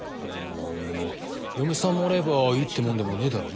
でも嫁さんもらえばいいってもんでもねえだろ。